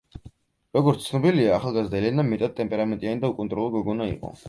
როგორც ცნობილია, ახალგაზრდა ელენა მეტად ტემპერამენტიანი და უკონტროლო გოგონა იყო.